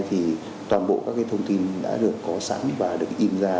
thì toàn bộ các thông tin đã được có sẵn và được in ra